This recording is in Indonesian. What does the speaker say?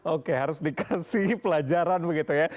oke harus dikasih pelajaran begitu ya